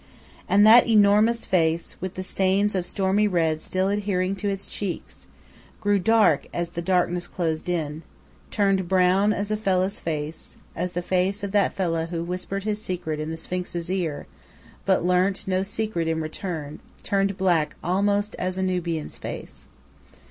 And that enormous face, with the stains of stormy red still adhering to its cheeks, grew dark as the darkness closed in, turned brown as a fellah's face, as the face of that fellah who whispered his secret in the sphinx's ear, but learnt no secret in return; turned black almost as a Nubian's face.